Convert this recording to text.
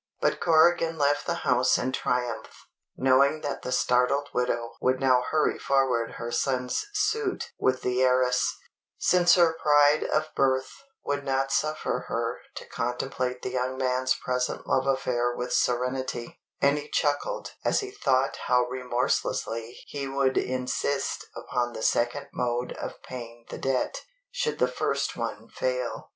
But Corrigan left the house in triumph, knowing that the startled widow would now hurry forward her son's suit with the heiress, since her pride of birth would not suffer her to contemplate the young man's present love affair with serenity; and he chuckled as he thought how remorselessly he would insist upon the second mode of paying the debt, should the first one fail.